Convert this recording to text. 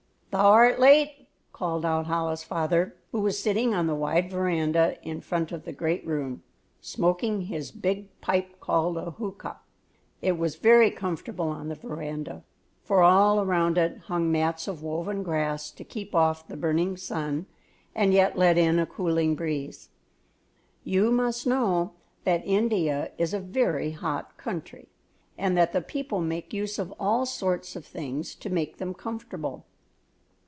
"Thou art late," called out Chola's father, who was sitting on the wide veranda in front of the great room, smoking his big pipe called a hookah. It was very comfortable on the veranda, for all around it hung mats of woven grass to keep off the burning sun and yet let in a cooling breeze. You must know that India is a very hot country and that the people make use of all sorts of things to make them comfortable.